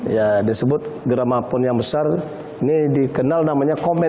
ya disebut geramakun yang besar ini dikenal namanya komet